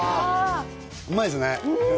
うまいですねうん！